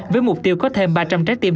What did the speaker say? với mục tiêu có thêm ba trăm linh trái tim